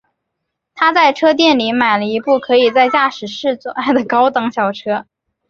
他在车店里买了一部可以在驾驶室做爱的高档小车。